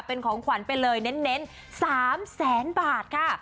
เป็นของขวัญไปเลยเคลียน๓๐๐วันค่ะ